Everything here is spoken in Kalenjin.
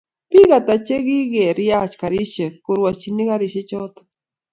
Bik Ata che kikeriach garisiek korwachini garisiechoto